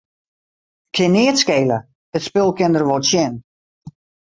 Kin neat skele, it spul kin der wol tsjin.